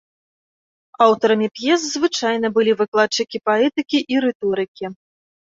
Аўтарамі п'ес звычайна былі выкладчыкі паэтыкі і рыторыкі.